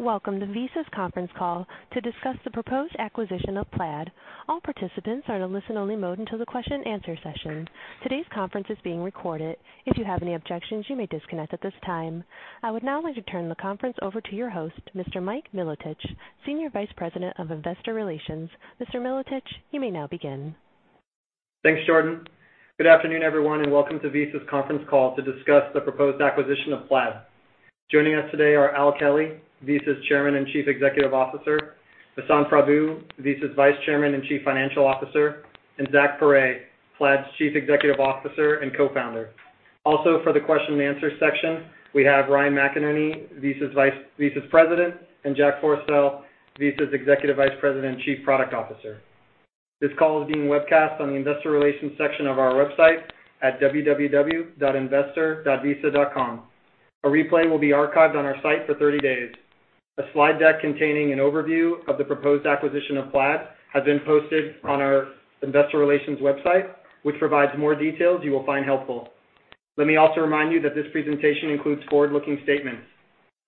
Welcome to Visa's conference call to discuss the proposed acquisition of Plaid. All participants are in a listen-only mode until the question and answer session. Today's conference is being recorded. If you have any objections, you may disconnect at this time. I would now like to turn the conference over to your host, Mr. Mike Milotich, Senior Vice President of Investor Relations. Mr. Milotich, you may now begin. Thanks, Jordan. Good afternoon, everyone, and welcome to Visa's conference call to discuss the proposed acquisition of Plaid. Joining us today are Al Kelly, Visa's Chairman and Chief Executive Officer; Vasant Prabhu, Visa's Vice Chairman and Chief Financial Officer; and Zach Perret, Plaid's Chief Executive Officer and Co-founder. Also, for the question and answer section, we have Ryan McInerney, Visa's President; and Jack Forestell, Visa's Executive Vice President and Chief Product Officer. This call is being webcast on the investor relations section of our website at www.investor.visa.com. A replay will be archived on our site for 30 days. A slide deck containing an overview of the proposed acquisition of Plaid has been posted on our investor relations website, which provides more details you will find helpful. Let me also remind you that this presentation includes forward-looking statements.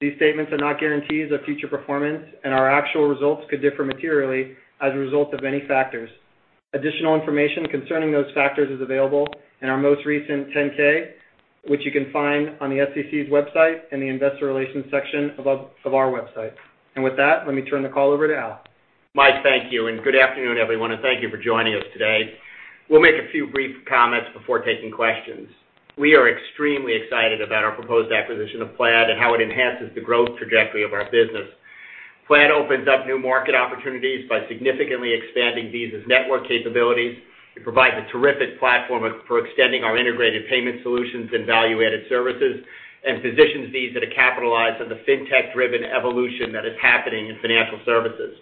These statements are not guarantees of future performance, and our actual results could differ materially as a result of many factors. Additional information concerning those factors is available in our most recent 10-K, which you can find on the SEC's website in the investor relations section of our website. With that, let me turn the call over to Al. Mike, thank you, and good afternoon, everyone, and thank you for joining us today. We'll make a few brief comments before taking questions. We are extremely excited about our proposed acquisition of Plaid and how it enhances the growth trajectory of our business. Plaid opens up new market opportunities by significantly expanding Visa's network capabilities. It provides a terrific platform for extending our integrated payment solutions and value-added services and positions Visa to capitalize on the fintech-driven evolution that is happening in financial services.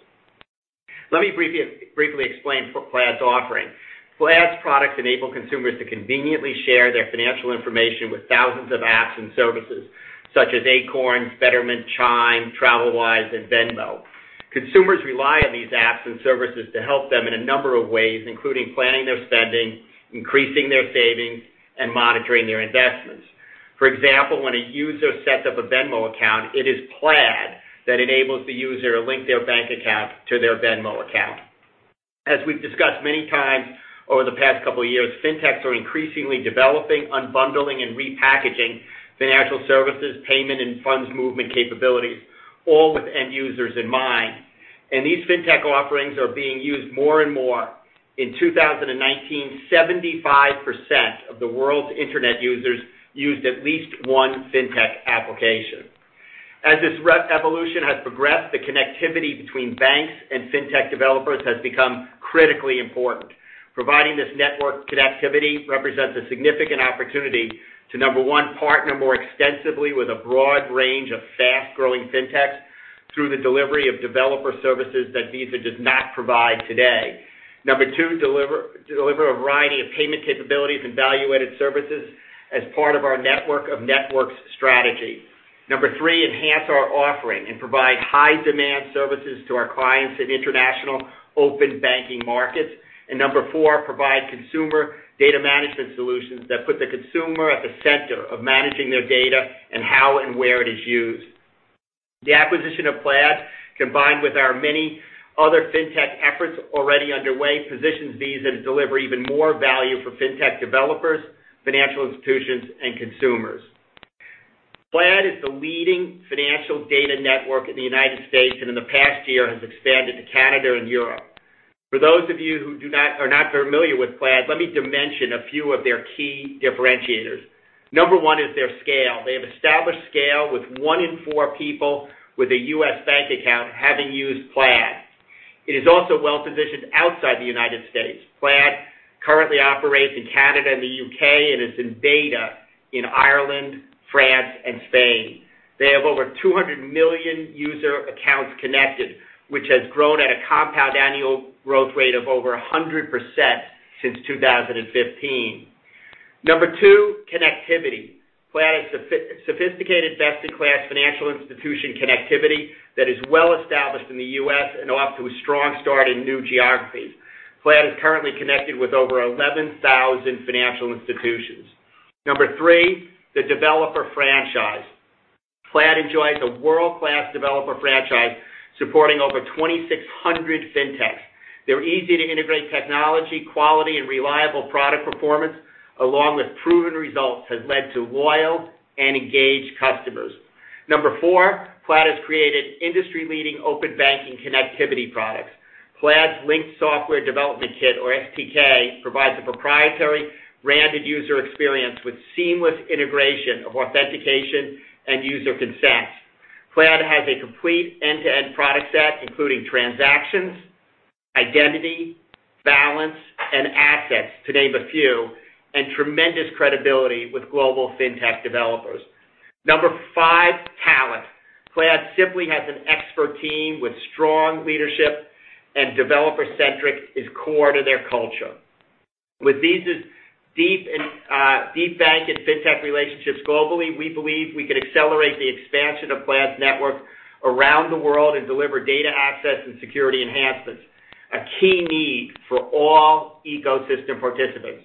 Let me briefly explain Plaid's offering. Plaid's products enable consumers to conveniently share their financial information with thousands of apps and services, such as Acorns, Betterment, Chime, TransferWise, and Venmo. Consumers rely on these apps and services to help them in a number of ways, including planning their spending, increasing their savings, and monitoring their investments. For example, when a user sets up a Venmo account, it is Plaid that enables the user to link their bank account to their Venmo account. As we've discussed many times over the past couple of years, fintechs are increasingly developing, unbundling, and repackaging financial services, payment, and funds movement capabilities, all with end users in mind. These fintech offerings are being used more and more. In 2019, 75% of the world's internet users used at least one fintech application. As this evolution has progressed, the connectivity between banks and fintech developers has become critically important. Providing this network connectivity represents a significant opportunity to, number one, partner more extensively with a broad range of fast-growing fintechs through the delivery of developer services that Visa does not provide today. Number two, deliver a variety of payment capabilities and value-added services as part of our network of networks strategy. Number 3, enhance our offering and provide high-demand services to our clients in international open banking markets. Number 4, provide consumer data management solutions that put the consumer at the center of managing their data and how and where it is used. The acquisition of Plaid, combined with our many other fintech efforts already underway, positions Visa to deliver even more value for fintech developers, financial institutions, and consumers. Plaid is the leading financial data network in the U.S., and in the past year has expanded to Canada and Europe. For those of you who are not familiar with Plaid, let me mention a few of their key differentiators. Number 1 is their scale. They have established scale with one in four people with a U.S. bank account having used Plaid. It is also well-positioned outside the U.S. Plaid currently operates in Canada and the U.K. and is in beta in Ireland, France, and Spain. They have over 200 million user accounts connected, which has grown at a compound annual growth rate of over 100% since 2015. Number 2, connectivity. Plaid has sophisticated best-in-class financial institution connectivity that is well-established in the U.S. and off to a strong start in new geographies. Plaid is currently connected with over 11,000 financial institutions. Number 3, the developer franchise. Plaid enjoys a world-class developer franchise supporting over 2,600 fintechs. Their easy-to-integrate technology, quality, and reliable product performance, along with proven results, has led to loyal and engaged customers. Number 4, Plaid has created industry-leading open banking connectivity products. Plaid's Link software development kit, or SDK, provides a proprietary branded user experience with seamless integration of authentication and user consent. Plaid has a complete end-to-end product set, including transactions, identity, balance, and assets, to name a few, and tremendous credibility with global fintech developers. Number 5, talent. Plaid simply has an expert team with strong leadership, and developer-centric is core to their culture. With Visa's deep bank and fintech relationships globally, we believe we can accelerate the expansion of Plaid's network around the world and deliver data access and security enhancements, a key need for all ecosystem participants.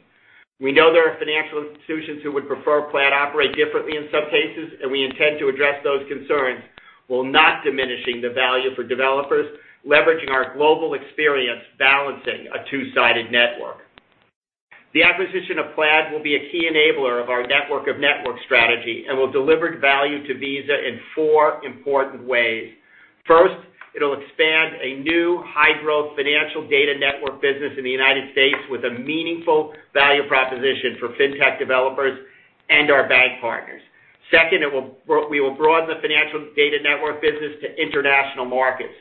We know there are financial institutions who would prefer Plaid operate differently in some cases, and we intend to address those concerns while not diminishing the value for developers, leveraging our global experience balancing a two-sided network. The acquisition of Plaid will be a key enabler of our network of network strategy and will deliver value to Visa in four important ways. First, it'll expand a new high-growth financial data network business in the United States with a meaningful value proposition for fintech developers and our bank partners. Second, we will broaden the financial data network business to international markets.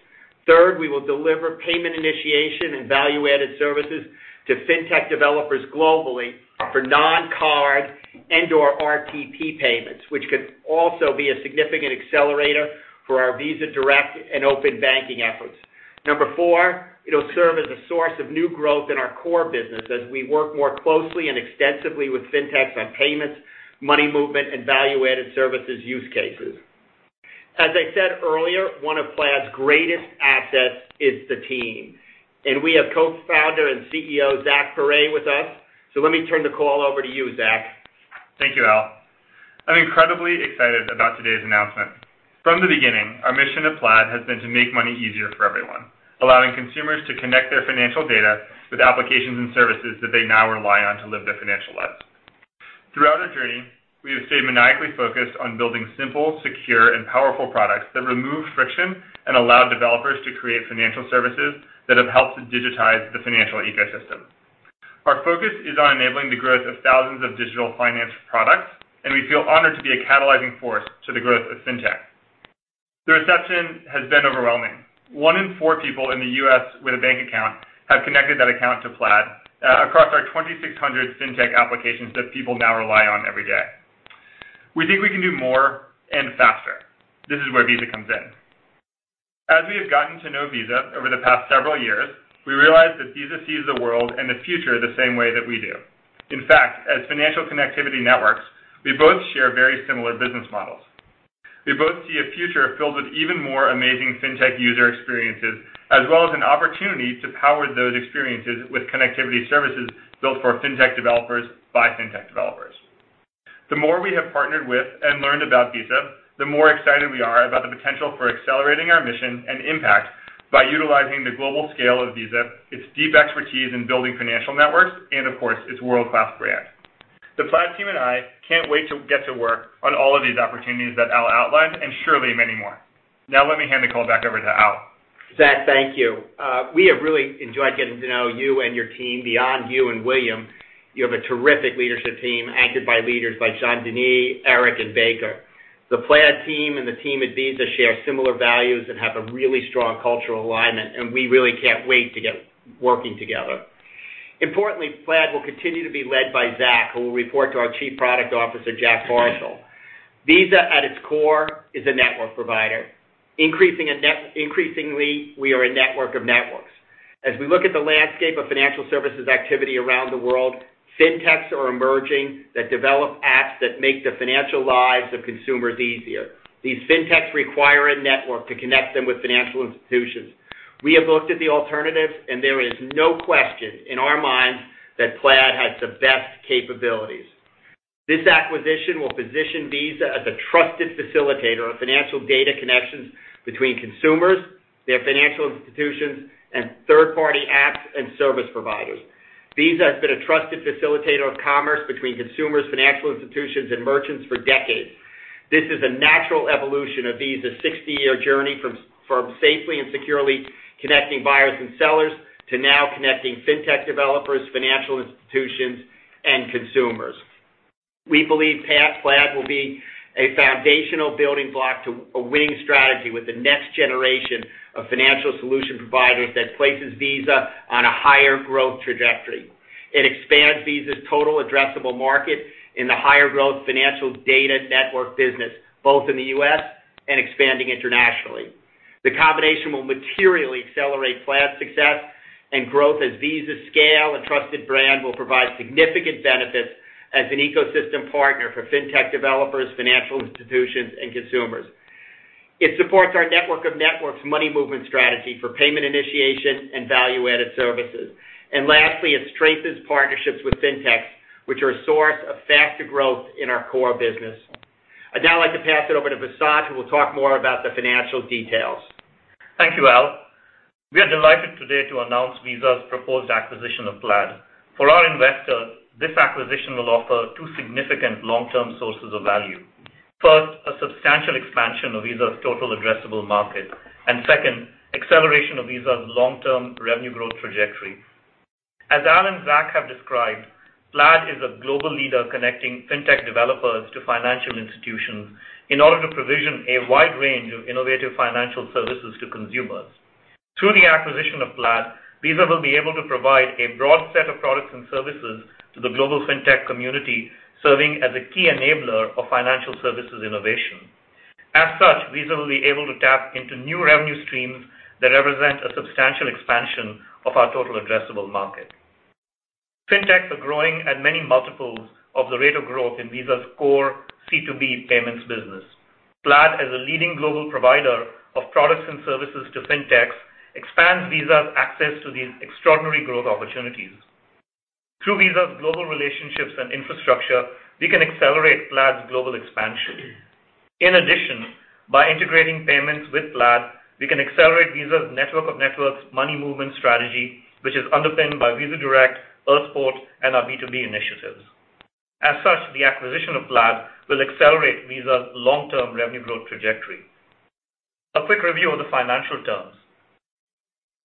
Third, we will deliver payment initiation and value-added services to fintech developers globally for non-card and/or RTP payments, which could also be a significant accelerator for our Visa Direct and open banking efforts. Number four, it'll serve as a source of new growth in our core business as we work more closely and extensively with fintechs on payments, money movement, and value-added services use cases. As I said earlier, one of Plaid's greatest assets is the team, and we have Co-founder and CEO Zach Perret with us, so let me turn the call over to you, Zach. Thank you, Al. I'm incredibly excited about today's announcement. From the beginning, our mission at Plaid has been to make money easier for everyone, allowing consumers to connect their financial data with applications and services that they now rely on to live their financial lives. Throughout our journey, we have stayed maniacally focused on building simple, secure, and powerful products that remove friction and allow developers to create financial services that have helped to digitize the financial ecosystem. Our focus is on enabling the growth of thousands of digital finance products, and we feel honored to be a catalyzing force to the growth of fintech. The reception has been overwhelming. One in four people in the U.S. with a bank account have connected that account to Plaid across our 2,600 fintech applications that people now rely on every day. We think we can do more and faster. This is where Visa comes in. As we have gotten to know Visa over the past several years, we realize that Visa sees the world and the future the same way that we do. In fact, as financial connectivity networks, we both share very similar business models. We both see a future filled with even more amazing fintech user experiences, as well as an opportunity to power those experiences with connectivity services built for fintech developers by fintech developers. The more we have partnered with and learned about Visa, the more excited we are about the potential for accelerating our mission and impact by utilizing the global scale of Visa, its deep expertise in building financial networks, and of course, its world-class brand. The Plaid team and I can't wait to get to work on all of these opportunities that Al outlined, and surely many more. Now, let me hand the call back over to Al. Zach, thank you. We have really enjoyed getting to know you and your team. Beyond you and William, you have a terrific leadership team anchored by leaders like Jean-Denis, Eric, and Baker. The Plaid team and the team at Visa share similar values and have a really strong cultural alignment, and we really can't wait to get working together. Importantly, Plaid will continue to be led by Zach, who will report to our Chief Product Officer, Jack Forestell. Visa, at its core, is a network provider. Increasingly, we are a network of networks. As we look at the landscape of financial services activity around the world, fintechs are emerging that develop apps that make the financial lives of consumers easier. These fintechs require a network to connect them with financial institutions. We have looked at the alternatives, and there is no question in our minds that Plaid has the best capabilities. This acquisition will position Visa as a trusted facilitator of financial data connections between consumers, their financial institutions, and third-party apps and service providers. Visa has been a trusted facilitator of commerce between consumers, financial institutions, and merchants for decades. This is a natural evolution of Visa's 60-year journey from safely and securely connecting buyers and sellers to now connecting fintech developers, financial institutions, and consumers. We believe Plaid will be a foundational building block to a winning strategy with the next generation of financial solution providers that places Visa on a higher growth trajectory. It expands Visa's total addressable market in the higher-growth financial data network business, both in the U.S. and expanding internationally. The combination will materially accelerate Plaid's success and growth as Visa's scale and trusted brand will provide significant benefits as an ecosystem partner for fintech developers, financial institutions, and consumers. It supports our network of networks money movement strategy for payment initiation and value-added services. Lastly, it strengthens partnerships with fintechs, which are a source of faster growth in our core business. I'd now like to pass it over to Vasant, who will talk more about the financial details. Thank you, Al. We are delighted today to announce Visa's proposed acquisition of Plaid. For our investors, this acquisition will offer two significant long-term sources of value. First, a substantial expansion of Visa's total addressable market, and second, acceleration of Visa's long-term revenue growth trajectory. As Al and Zach have described, Plaid is a global leader connecting fintech developers to financial institutions in order to provision a wide range of innovative financial services to consumers. Through the acquisition of Plaid, Visa will be able to provide a broad set of products and services to the global fintech community, serving as a key enabler of financial services innovation. As such, Visa will be able to tap into new revenue streams that represent a substantial expansion of our total addressable market. Fintechs are growing at many multiples of the rate of growth in Visa's core C2B payments business. Plaid as a leading global provider of products and services to FinTechs, expands Visa's access to these extraordinary growth opportunities. Through Visa's global relationships and infrastructure, we can accelerate Plaid's global expansion. In addition, by integrating payments with Plaid, we can accelerate Visa's network of networks money movement strategy, which is underpinned by Visa Direct, Earthport, and our B2B initiatives. As such, the acquisition of Plaid will accelerate Visa's long-term revenue growth trajectory. A quick review of the financial terms.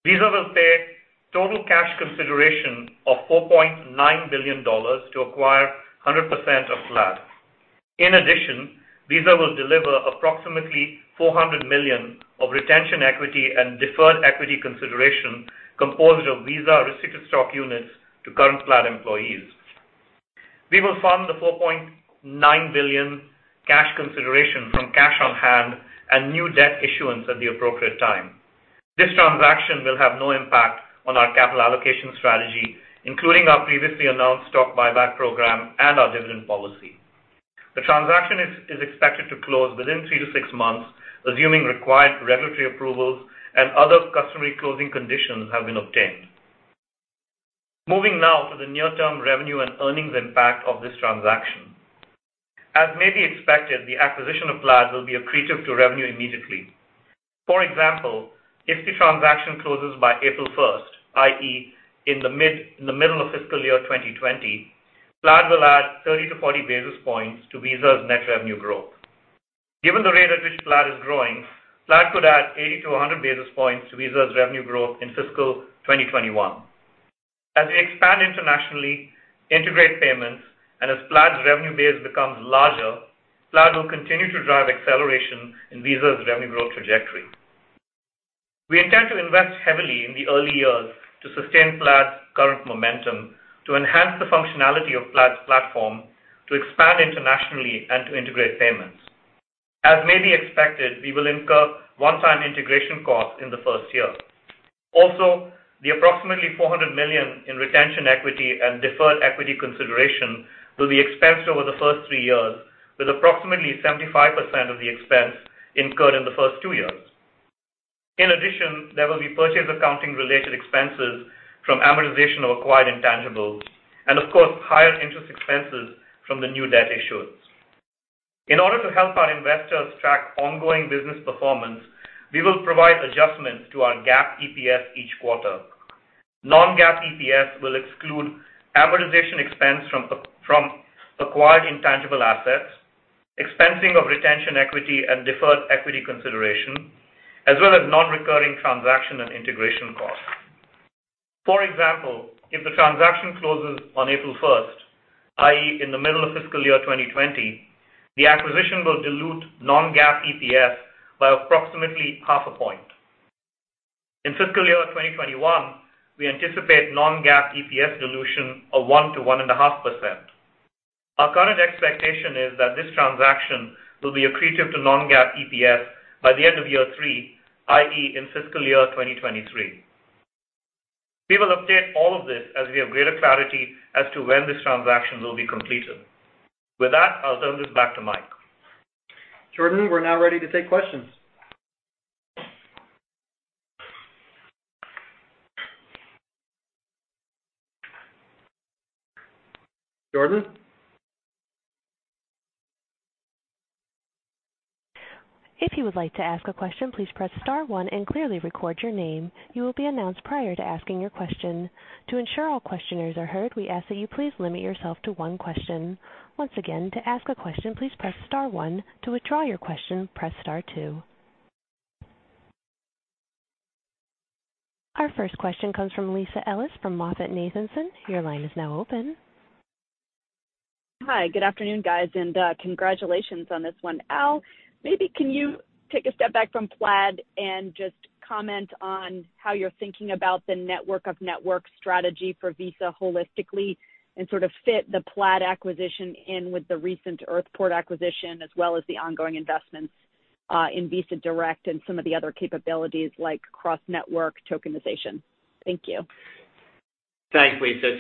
Visa will pay total cash consideration of $4.9 billion to acquire 100% of Plaid. In addition, Visa will deliver approximately $400 million of retention equity and deferred equity consideration composed of Visa restricted stock units to current Plaid employees. We will fund the $4.9 billion cash consideration from cash on hand and new debt issuance at the appropriate time. This transaction will have no impact on our capital allocation strategy, including our previously announced stock buyback program and our dividend policy. The transaction is expected to close within three to six months, assuming required regulatory approvals and other customary closing conditions have been obtained. Moving now to the near-term revenue and earnings impact of this transaction. As may be expected, the acquisition of Plaid will be accretive to revenue immediately. For example, if the transaction closes by April first, i.e., in the middle of fiscal year 2020, Plaid will add 30 to 40 basis points to Visa's net revenue growth. Given the rate at which Plaid is growing, Plaid could add 80 to 100 basis points to Visa's revenue growth in fiscal 2021. As we expand internationally, integrate payments, and as Plaid's revenue base becomes larger, Plaid will continue to drive acceleration in Visa's revenue growth trajectory. We intend to invest heavily in the early years to sustain Plaid's current momentum, to enhance the functionality of Plaid's platform, to expand internationally, and to integrate payments. As may be expected, we will incur one-time integration costs in the first year. The approximately $400 million in retention equity and deferred equity consideration will be expensed over the first three years, with approximately 75% of the expense incurred in the first two years. There will be purchase accounting-related expenses from amortization of acquired intangibles, and of course, higher interest expenses from the new debt issuance. In order to help our investors track ongoing business performance, we will provide adjustments to our GAAP EPS each quarter. Non-GAAP EPS will exclude amortization expense from acquired intangible assets, expensing of retention equity, and deferred equity consideration, as well as non-recurring transaction and integration costs. For example, if the transaction closes on April 1st, i.e., in the middle of fiscal year 2020, the acquisition will dilute non-GAAP EPS by approximately half a point. In fiscal year 2021, we anticipate non-GAAP EPS dilution of 1%-1.5%. Our current expectation is that this transaction will be accretive to non-GAAP EPS by the end of year three, i.e., in fiscal year 2023. We will update all of this as we have greater clarity as to when this transaction will be completed. With that, I'll turn this back to Mike. Jordan, we're now ready to take questions. Jordan? If you would like to ask a question, please press *1 and clearly record your name. You will be announced prior to asking your question. To ensure all questioners are heard, we ask that you please limit yourself to one question. Once again, to ask a question, please press *1. To withdraw your question, press *2. Our first question comes from Lisa Ellis from MoffettNathanson. Your line is now open. Hi, good afternoon, guys, and congratulations on this one. Al, maybe can you take a step back from Plaid and just comment on how you're thinking about the network of network strategy for Visa holistically and sort of fit the Plaid acquisition in with the recent Earthport acquisition, as well as the ongoing investments in Visa Direct and some of the other capabilities like cross-network tokenization? Thank you. Thanks, Lisa.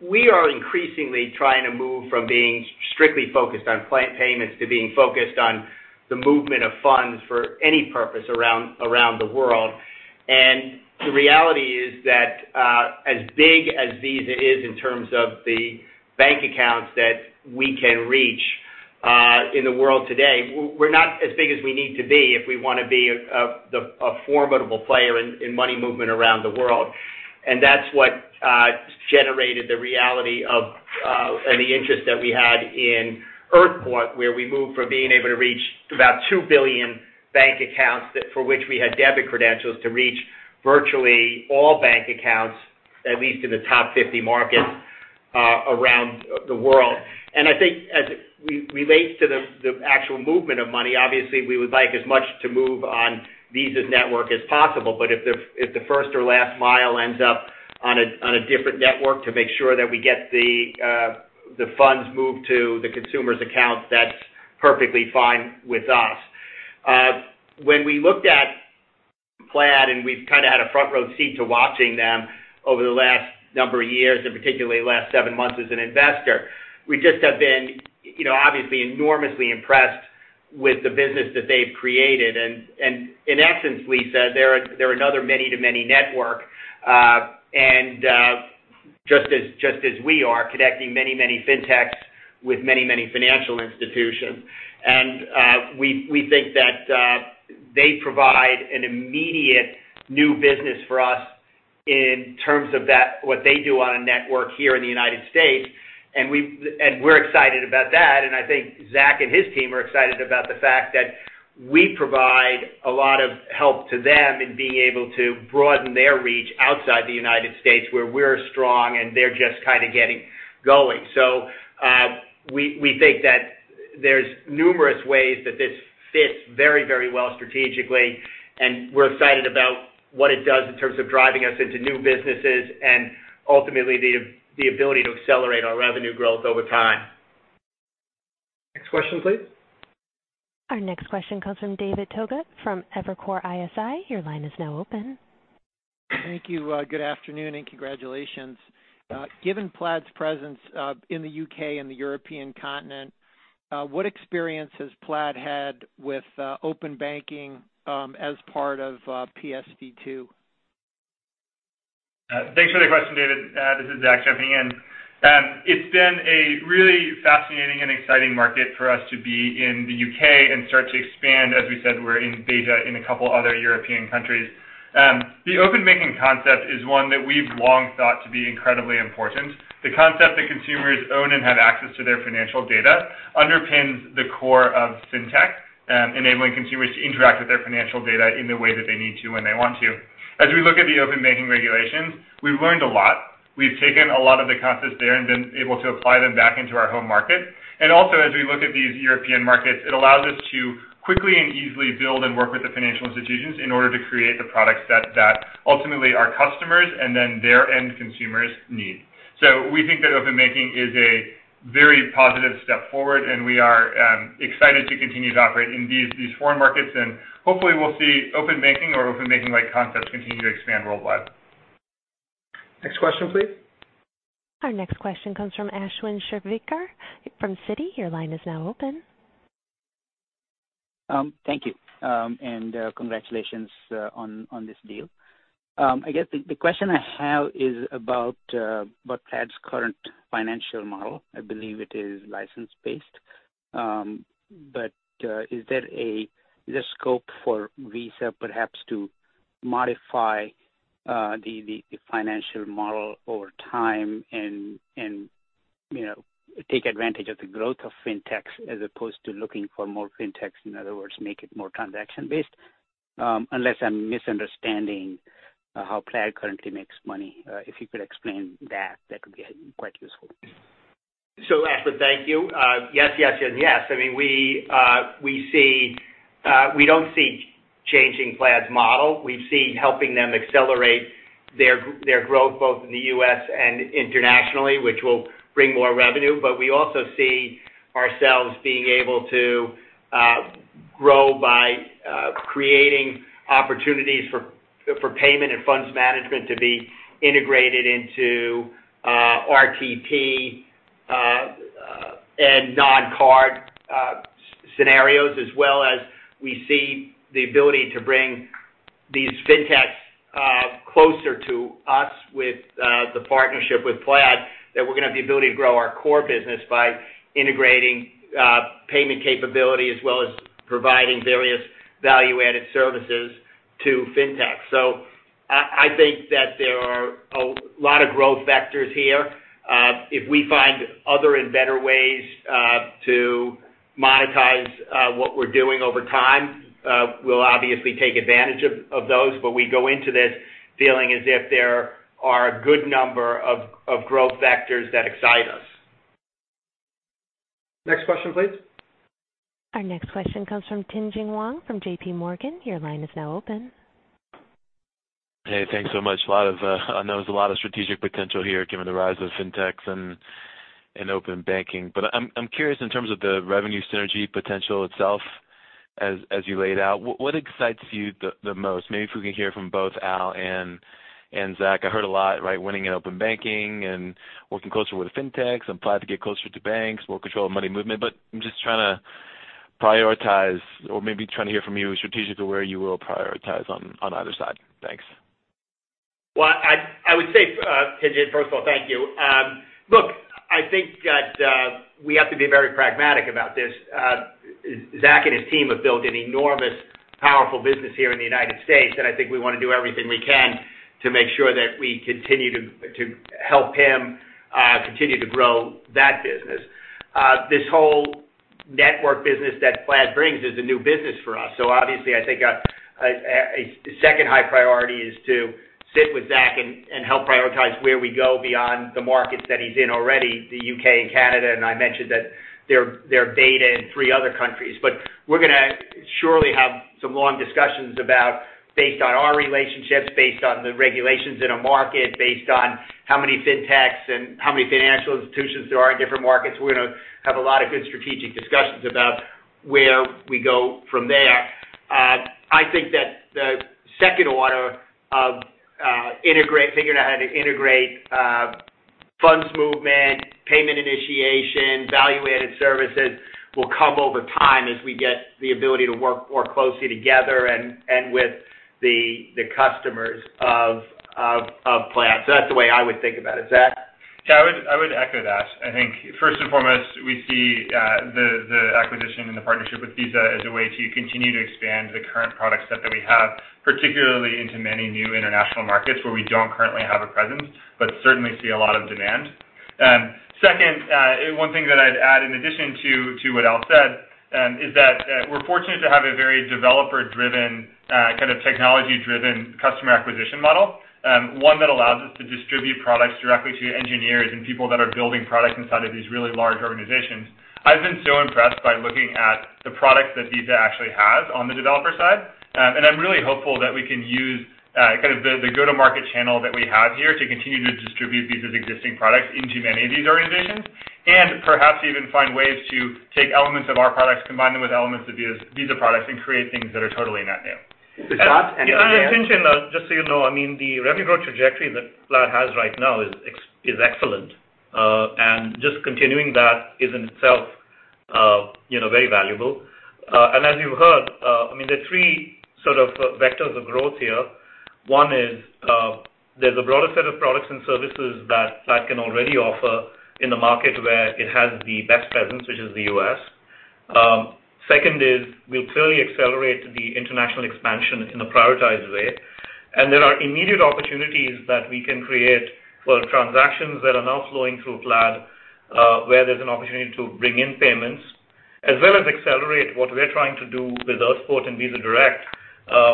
We are increasingly trying to move from being strictly focused on payments to being focused on the movement of funds for any purpose around the world. The reality is that as big as Visa is in terms of the bank accounts that we can reach in the world today, we're not as big as we need to be if we want to be a formidable player in money movement around the world. That's what generated the reality of and the interest that we had in Earthport, where we moved from being able to reach about 2 billion bank accounts that for which we had debit credentials to reach virtually all bank accounts, at least in the top 50 markets around the world. I think as it relates to the actual movement of money, obviously, we would like as much to move on Visa's network as possible, but if the first or last mile ends up on a different network to make sure that we get the funds moved to the consumer's accounts, that's perfectly fine with us. When we looked at Plaid, and we've kind of had a front row seat to watching them over the last number of years, and particularly the last seven months as an investor, we just have been obviously enormously impressed with the business that they've created. In essence, Lisa, they're another many-to-many network. Just as we are connecting many fintechs with many financial institutions. We think that they provide an immediate new business for us in terms of what they do on a network here in the U.S. We're excited about that, and I think Zach and his team are excited about the fact that we provide a lot of help to them in being able to broaden their reach outside the U.S., where we're strong and they're just kind of getting going. We think that there's numerous ways that this fits very well strategically, and we're excited about what it does in terms of driving us into new businesses and ultimately the ability to accelerate our revenue growth over time. Next question please. Our next question comes from David Togut from Evercore ISI. Your line is now open. Thank you. Good afternoon and congratulations. Given Plaid's presence in the U.K. and the European continent, what experience has Plaid had with open banking as part of PSD2? Thanks for the question, David. This is Zach jumping in. It's been a really fascinating and exciting market for us to be in the U.K. and start to expand. As we said, we're in beta in a couple other European countries. The open banking concept is one that we've long thought to be incredibly important. The concept that consumers own and have access to their financial data underpins the core of fintech, enabling consumers to interact with their financial data in the way that they need to when they want to. As we look at the open banking regulations, we've learned a lot. We've taken a lot of the concepts there and been able to apply them back into our home market. Also, as we look at these European markets, it allows us to quickly and easily build and work with the financial institutions in order to create the products that ultimately our customers and then their end consumers need. We think that open banking is a very positive step forward, and we are excited to continue to operate in these foreign markets. Hopefully, we'll see open banking or open banking-like concepts continue to expand worldwide. Next question, please. Our next question comes from Ashwin Shirvaikar from Citi. Your line is now open. Thank you, and congratulations on this deal. I guess the question I have is about Plaid's current financial model. I believe it is license-based. Is there a scope for Visa perhaps to modify the financial model over time and take advantage of the growth of fintech as opposed to looking for more fintechs, in other words, make it more transaction-based? Unless I'm misunderstanding how Plaid currently makes money. If you could explain that would be quite useful. Ashwin, thank you. Yes. We don't see changing Plaid's model. We see helping them accelerate their growth, both in the U.S. and internationally, which will bring more revenue. We also see ourselves being able to grow by creating opportunities for payment and funds management to be integrated into RTP and non-card scenarios, as well as we see the ability to bring these fintechs closer to us with the partnership with Plaid, that we're going to have the ability to grow our core business by integrating payment capability as well as providing various value-added services to fintech. I think that there are a lot of growth vectors here. If we find other and better ways to monetize what we're doing over time, we'll obviously take advantage of those. We go into this feeling as if there are a good number of growth vectors that excite us. Next question, please. Our next question comes from Tien-Tsin Huang from J.P. Morgan. Your line is now open. Hey, thanks so much. I know there's a lot of strategic potential here given the rise of fintechs and open banking. I'm curious in terms of the revenue synergy potential itself as you laid out, what excites you the most? Maybe if we can hear from both Al and Zach. I heard a lot winning in open banking and working closer with fintechs and Plaid to get closer to banks, more control of money movement. I'm just trying to prioritize or maybe trying to hear from you strategically where you will prioritize on either side. Thanks. Well, I would say, Tien-Tsin, first of all, thank you. Look, I think that we have to be very pragmatic about this. Zach and his team have built an enormous, powerful business here in the U.S., and I think we want to do everything we can to make sure that we continue to help him continue to grow that business. This whole network business that Plaid brings is a new business for us. Obviously, I think a second high priority is to sit with Zach and help prioritize where we go beyond the markets that he's in already, the U.K. and Canada, and I mentioned that they're beta in three other countries. We're going to surely have some long discussions about. Based on our relationships, based on the regulations in a market, based on how many fintechs and how many financial institutions there are in different markets, we're going to have a lot of good strategic discussions about where we go from there. I think that the second order of figuring out how to integrate funds movement, payment initiation, value-added services, will come over time as we get the ability to work more closely together and with the customers of Plaid. That's the way I would think about it. Zach? Yeah, I would echo that. I think first and foremost, we see the acquisition and the partnership with Visa as a way to continue to expand the current product set that we have, particularly into many new international markets where we don't currently have a presence, but certainly see a lot of demand. Second, one thing that I'd add in addition to what Al said, is that we're fortunate to have a very developer-driven, kind of technology-driven customer acquisition model. One that allows us to distribute products directly to engineers and people that are building products inside of these really large organizations. I've been so impressed by looking at the products that Visa actually has on the developer side. I'm really hopeful that we can use the go-to-market channel that we have here to continue to distribute Visa's existing products into many of these organizations, and perhaps even find ways to take elements of our products, combine them with elements of Visa products, and create things that are totally net new. To Vasant. I think, just so you know, the revenue growth trajectory that Plaid has right now is excellent. Just continuing that is in itself very valuable. As you heard, there are three sort of vectors of growth here. One is, there's a broader set of products and services that Plaid can already offer in the market where it has the best presence, which is the U.S. Second is, we'll clearly accelerate the international expansion in a prioritized way. There are immediate opportunities that we can create for transactions that are now flowing through Plaid, where there's an opportunity to bring in payments as well as accelerate what we're trying to do with Earthport and Visa Direct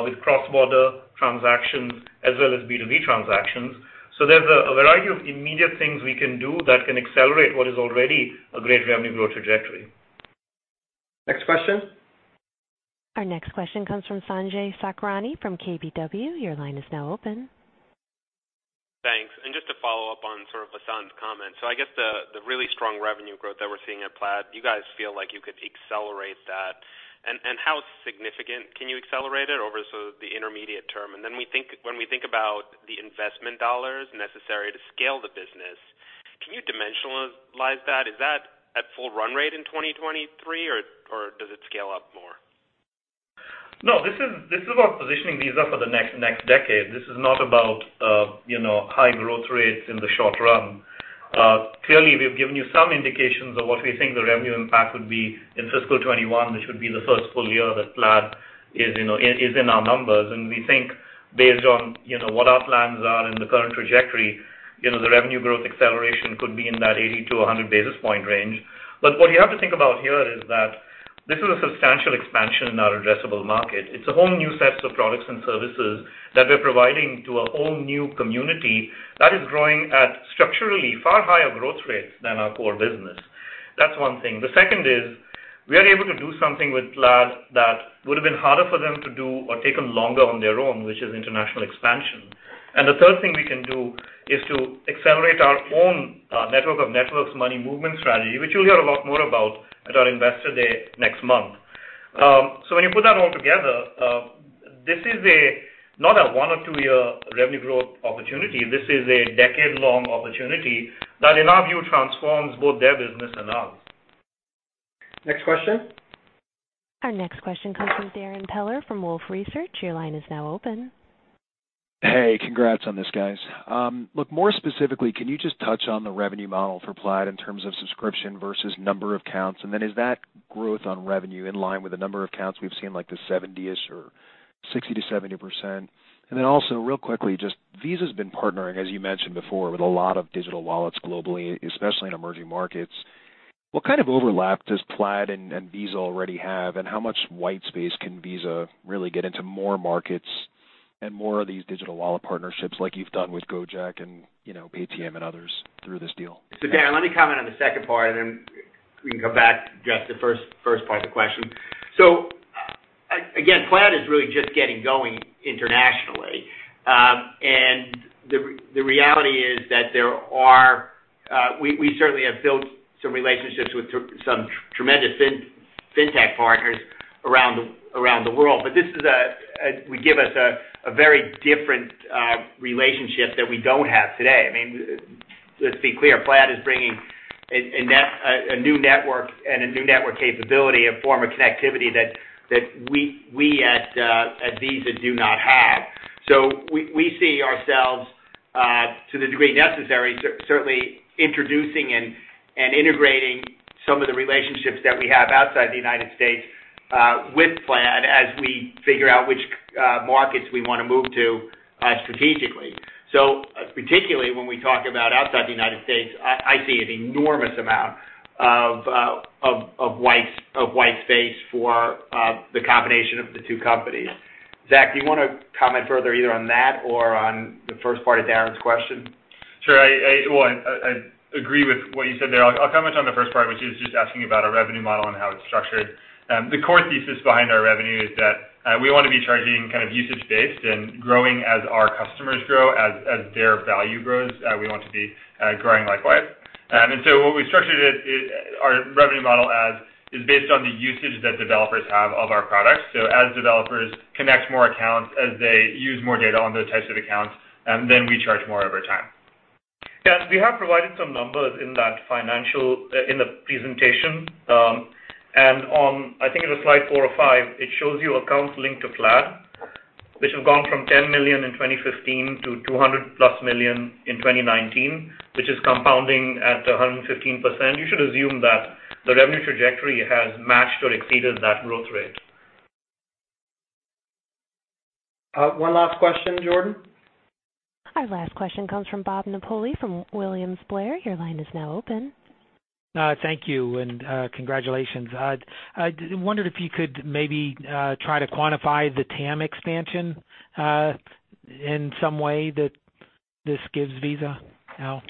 with cross-border transactions as well as B2B transactions. There's a variety of immediate things we can do that can accelerate what is already a great revenue growth trajectory. Next question. Our next question comes from Sanjay Sakhrani from KBW. Your line is now open. Thanks. Just to follow up on sort of Vasant's comment. I guess the really strong revenue growth that we're seeing at Plaid, do you guys feel like you could accelerate that? How significant can you accelerate it over sort of the intermediate term? When we think about the investment dollars necessary to scale the business, can you dimensionalize that? Is that at full run rate in 2023, or does it scale up more? No, this is about positioning Visa for the next decade. This is not about high growth rates in the short run. Clearly, we've given you some indications of what we think the revenue impact would be in fiscal 2021, which would be the first full year that Plaid is in our numbers. We think based on what our plans are and the current trajectory, the revenue growth acceleration could be in that 80 to 100 basis point range. What you have to think about here is that this is a substantial expansion in our addressable market. It's a whole new set of products and services that we're providing to a whole new community that is growing at structurally far higher growth rates than our core business. That's one thing. The second is we are able to do something with Plaid that would've been harder for them to do or taken longer on their own, which is international expansion. The third thing we can do is to accelerate our own network of networks money movement strategy, which you'll hear a lot more about at our Investor Day next month. When you put that all together, this is not a one or two-year revenue growth opportunity. This is a decade-long opportunity that, in our view, transforms both their business and ours. Next question. Our next question comes from Darrin Peller from Wolfe Research. Your line is now open. Hey, congrats on this, guys. Look, more specifically, can you just touch on the revenue model for Plaid in terms of subscription versus number of accounts, is that growth on revenue in line with the number of accounts we've seen, like the 70-ish or 60%-70%? Also, real quickly, just Visa's been partnering, as you mentioned before, with a lot of digital wallets globally, especially in emerging markets. What kind of overlap does Plaid and Visa already have, and how much white space can Visa really get into more markets and more of these digital wallet partnerships like you've done with Gojek and Paytm and others through this deal? Darrin, let me comment on the second part, and then we can come back, address the first part of the question. Again, Plaid is really just getting going internationally. The reality is that we certainly have built some relationships with some tremendous fintech partners around the world, but this will give us a very different relationship that we don't have today. Let's be clear, Plaid is bringing a new network and a new network capability, a form of connectivity that we at Visa do not have. We see ourselves, to the degree necessary, certainly introducing and integrating some of the relationships that we have outside the United States with Plaid as we figure out which markets we want to move to strategically. Particularly when we talk about outside the United States, I see an enormous amount of white space for the combination of the two companies. Zach, do you want to comment further either on that or on the first part of Darrin's question? Sure. I agree with what you said there. I'll comment on the first part, which is just asking about our revenue model and how it's structured. The core thesis behind our revenue is that we want to be charging usage-based and growing as our customers grow, as their value grows, we want to be growing likewise. What we structured our revenue model as is based on the usage that developers have of our products. As developers connect more accounts, as they use more data on those types of accounts, then we charge more over time. Yeah. We have provided some numbers in the presentation. On, I think it was slide four or five, it shows you accounts linked to Plaid, which have gone from 10 million in 2015 to 200+ million in 2019, which is compounding at 115%. You should assume that the revenue trajectory has matched or exceeded that growth rate. One last question, Jordan. Our last question comes from Bob Napoli from William Blair. Your line is now open. Thank you, and congratulations. I wondered if you could maybe try to quantify the TAM expansion in some way that this gives Visa now.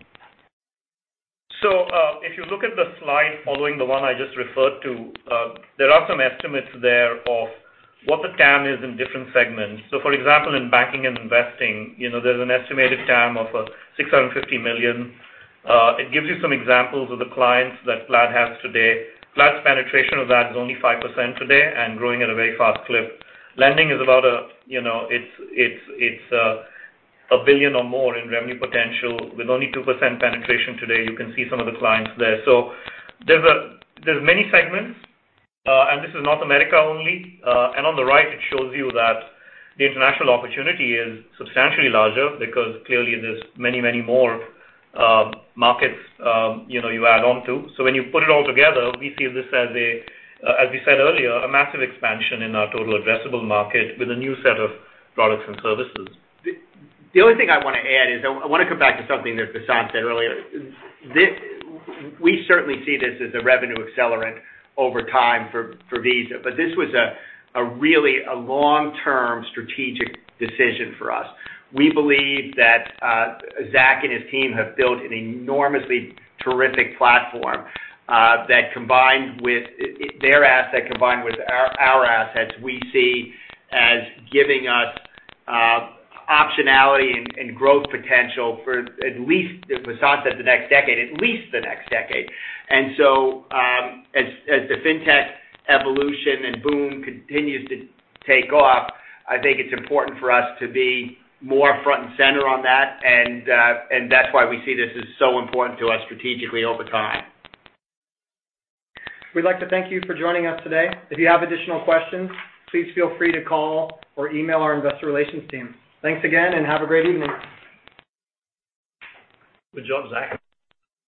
If you look at the slide following the one I just referred to, there are some estimates there of what the TAM is in different segments. For example, in banking and investing, there's an estimated TAM of $650 million. It gives you some examples of the clients that Plaid has today. Plaid's penetration of that is only 5% today and growing at a very fast clip. Lending is $1 billion or more in revenue potential with only 2% penetration today. You can see some of the clients there. There's many segments, and this is North America only. On the right, it shows you that the international opportunity is substantially larger because clearly there's many, many more markets you add on to. When you put it all together, we see this as we said earlier, a massive expansion in our total addressable market with a new set of products and services. The only thing I want to add is I want to come back to something that Vasant said earlier. We certainly see this as a revenue accelerant over time for Visa, but this was really a long-term strategic decision for us. We believe that Zach and his team have built an enormously terrific platform. Their asset combined with our assets, we see as giving us optionality and growth potential for at least, as Vasant said, the next decade. At least the next decade. As the fintech evolution and boom continues to take off, I think it's important for us to be more front and center on that. That's why we see this as so important to us strategically over time. We'd like to thank you for joining us today. If you have additional questions, please feel free to call or email our investor relations team. Thanks again, and have a great evening. Good job, Zach.